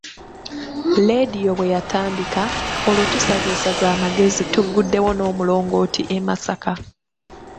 Leediyo bwe yatandika, olwo tusazeesaze amagezi tugguddewo n'omulongooti e Masaka.